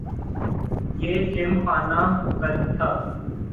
یہ Gymkhana club تھا۔